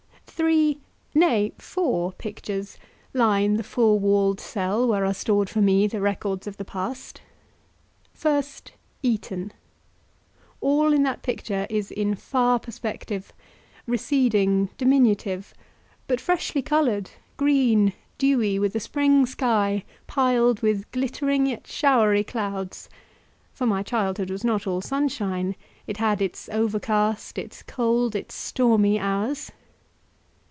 Three nay four pictures line the four walled cell where are stored for me the records of the past. First, Eton. All in that picture is in far perspective, receding, diminutive; but freshly coloured, green, dewy, with a spring sky, piled with glittering yet showery clouds; for my childhood was not all sunshine it had its overcast, its cold, its stormy hours.